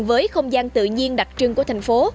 với không gian tự nhiên đặc trưng của thành phố